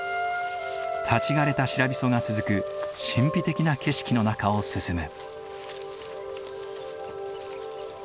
立ち枯れたシラビソが続く神秘的な景色の中を進む。